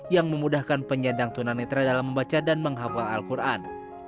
yang memudahkan penyandang tunanetra dalam membaca dan menghafal al quran